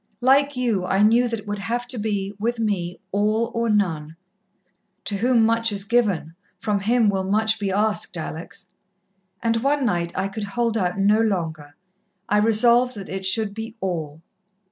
Like you, I knew that it would have to be, with me, all or none to whom much is given, from him will much be asked, Alex and one night I could hold out no longer. I resolved that it should be all.